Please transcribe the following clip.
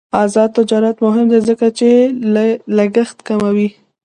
آزاد تجارت مهم دی ځکه چې لګښت کموي.